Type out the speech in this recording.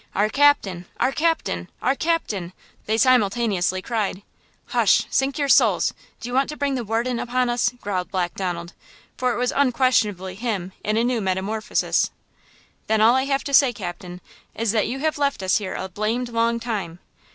"Our captain!" "Our captain!" "Our captain!" they simultaneously cried. "Hush! sink your souls! Do you want to bring the warden upon us?" growled Black Donald, for it was unquestionably him in a new metamorphosis. "Then all I have to say, captain, is that you have left us here a blamed long time!"